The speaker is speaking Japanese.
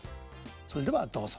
それではどうぞ。